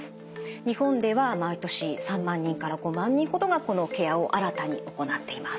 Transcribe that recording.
日本では毎年３万人から５万人ほどがこのケアを新たに行っています。